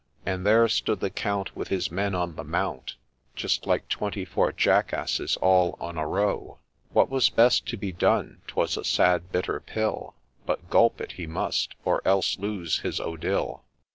And there stood the Count, With his men, on the mount, Just like ' twenty four jackasses all on a row.' What was best to be done — 'twas a sad bitter pill — But gulp it he must, or else lose his Odille.